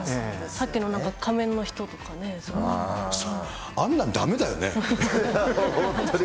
さっきのなんか、仮面の人とあんなん、だめだよね。